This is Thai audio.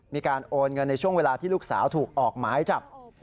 มีการโอนเงินในช่วงเวลาที่ลูกสาวถูกออกหมายจับ